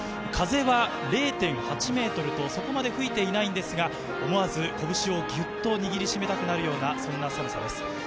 風は０．８メートルとそこまで吹いていないんですが思わず拳をぎゅっと握り締めたくなるような、そんな寒さです。